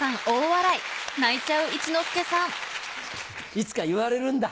いつか言われるんだ。